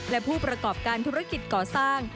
และผู้ประกอบการธุรกิจก่อสร้าง